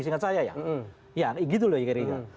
seingat saya ya ya gitu loh ya kira kira